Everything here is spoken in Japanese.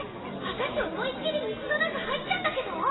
あたし思いっ切り水の中入っちゃったけど！？